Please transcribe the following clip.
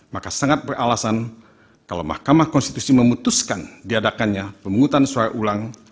maka sangat beralasan kalau mahkamah konstitusi memutuskan diadakannya pemungutan suara ulang